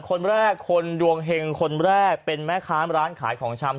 คนแรกคนดวงเห็งคนแรกเป็นแม่ค้าร้านขายของชำ